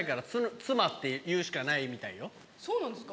そうなんですか？